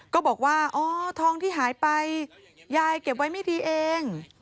ก็บอกว่าอ๋อทองที่หายไปยายเก็บไว้ไม่ดีเอง